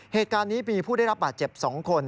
เหตุการณ์นี้มีผู้ได้รับบาดเจ็บ๒คน